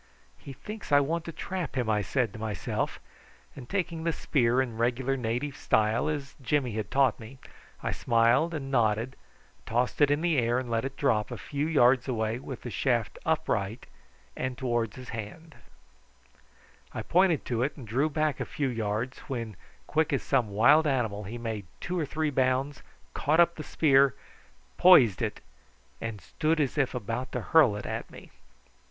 "He thinks I want to trap him," I said to myself; and taking the spear in regular native style, as Jimmy had taught me, I smiled and nodded, tossed it in the air, and let it drop a few yards away with the shaft upright and towards his hands. I pointed to it and drew back a few yards, when, quick as some wild animal, he made two or three bounds, caught up the spear, poised it, and stood as if about to hurl it at me.